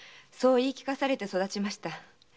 そう言い聞かされて育ちました。